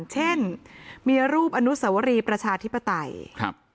เช่นเมียรูปอันุศวรีประชาธิปไตร